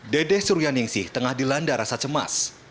dede surya ningsih tengah dilanda rasa cemas